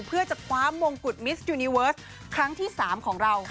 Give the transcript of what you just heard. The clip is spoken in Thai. เพื่อจะคว้ามงกุฎมิสยูนิเวิร์สครั้งที่๓ของเรา